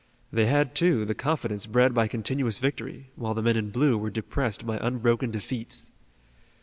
They had, too, the confidence bred by continuous victory, while the men in blue were depressed by unbroken defeats.